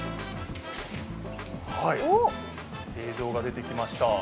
映像が出てきました。